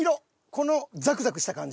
このザクザクした感じ。